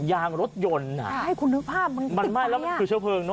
ยางรถยนต์อ่ะใช่คุณนึกภาพมันมันไหม้แล้วมันคือเชื้อเพลิงเนอ